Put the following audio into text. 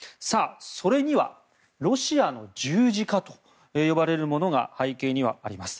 それには、ロシアの十字架と呼ばれるものが背景にはあります。